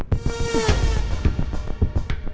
dan sekarang si sasaresang